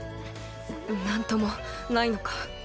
何ともないのか？